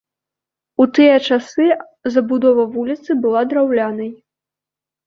У тыя часы забудова вуліцы была драўлянай.